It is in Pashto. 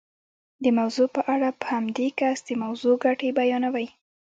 د موضوع په اړه په همدې کس د موضوع ګټې بیانوئ.